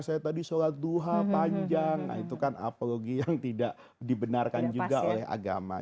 saya tadi sholat duha panjang nah itu kan apologi yang tidak dibenarkan juga oleh agama